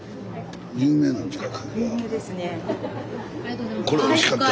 ありがとうございます。